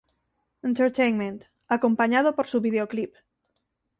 Entertainment, acompañado por su videoclip.